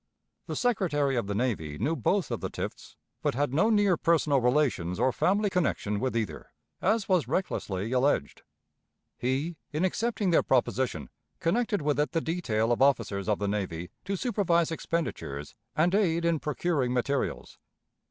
The Secretary of the Navy knew both of the Tifts, but had no near personal relations or family connection with either, as was recklessly alleged. He, in accepting their proposition, connected with it the detail of officers of the navy to supervise expenditures and aid in procuring materials.